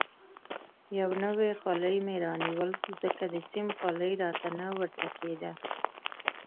یو نوی خولۍ مې رانیول، ځکه د سیم خولۍ راته نه ورته کېده.